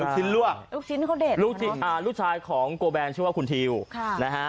ชิ้นลวกลูกชิ้นเขาเด็ดลูกชิ้นอ่าลูกชายของโกแบนชื่อว่าคุณทิวค่ะนะฮะ